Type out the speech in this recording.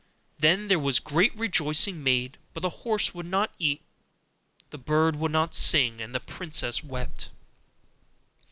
Then there was great rejoicing made; but the horse would not eat, the bird would not sing, and the princess wept.